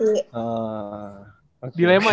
dilema ya dilema ya tas ya